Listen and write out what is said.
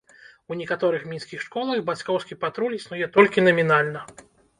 У некаторых мінскіх школах бацькоўскі патруль існуе толькі намінальна.